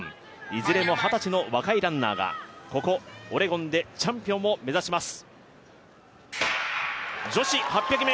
いずれも二十歳の若いランナーがここオレゴンでチャンピオンを目指します。